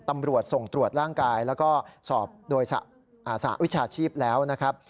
ตำรวจส่งตรวจร่างกายแล้วก็สอบโดยสหวิชาชีพแล้วนะครับ